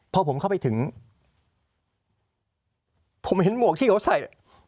พอผมเข้าไปถึงผมเห็นหมวกที่เขาใส่